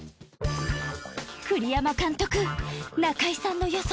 栗山監督中居さんの予想